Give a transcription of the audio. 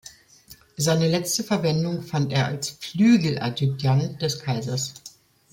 Seine letzte Verwendung fand er als Flügeladjutant des Kaisers.